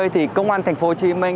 thì công an thành phố hồ chí minh